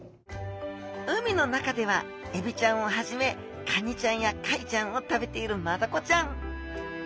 海の中ではエビちゃんをはじめカニちゃんやカイちゃんを食べているマダコちゃん。